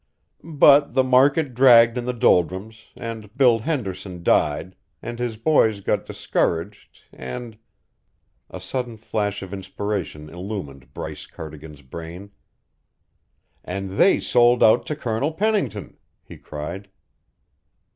But the market dragged in the doldrums, and Bill Henderson died, and his boys got discouraged, and " A sudden flash of inspiration illumined Bryce Cardigan's brain. "And they sold out to Colonel Pennington," he cried.